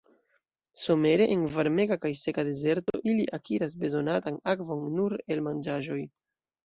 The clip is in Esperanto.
Somere en varmega kaj seka dezerto ili akiras bezonatan akvon nur el manĝaĵoj.